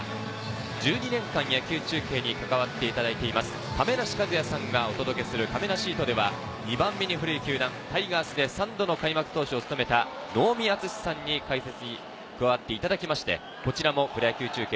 １２年間、野球中継に関わっていただいています、亀梨和也さんがお届けする、かめなシートでは２番目に古い球団タイガースで３度の開幕投手を務めた能見篤史さんに解説に加わっていただき、こちらもプロ野球中継